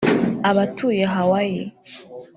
Abatuye Hawaii